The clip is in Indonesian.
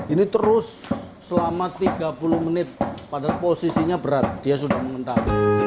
ini terus selama tiga puluh menit padahal posisinya berat dia sudah mengental